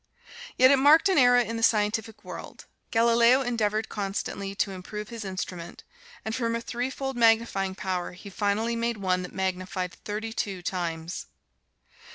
Yet it marked an era in the scientific world. Galileo endeavored constantly to improve his instrument; and from a threefold magnifying power, he finally made one that magnified thirty two times.